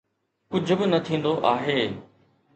ڪجهه به نه ٿيندو آهي.